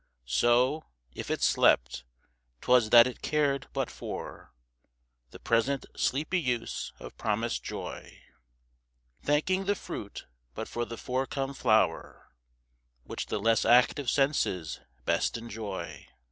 So, if it slept, 'twas that it cared but for The present sleepy use of promised joy, Thanking the fruit but for the forecome flower Which the less active senses best enjoy.